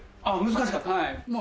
難しかった？